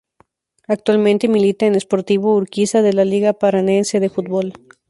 Actualmente milita en Sportivo Urquiza de la Liga Paranaense de Fútbol.